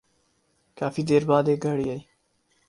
کافی دیر بعد ایک گاڑی آئی ۔